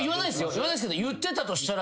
言わないっすけど言ってたとしたら。